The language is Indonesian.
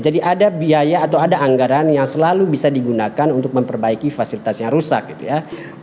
jadi ada biaya atau ada anggaran yang selalu bisa digunakan untuk memperbaiki fasilitas yang rusak gitu ya